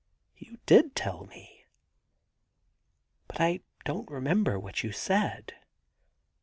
... You did tell me, but I don't remember what you said.